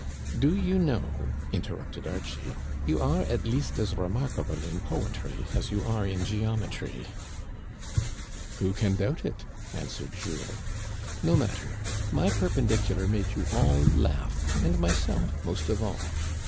" Do you know," interrupted Archie, " you are at least as remarkable in poetry as you are in geometry ?"" Who can doubt it ?" answered Jules. No matter, my perpendicular made you all laugh and myself most of all.